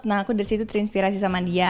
nah aku dari situ terinspirasi sama dia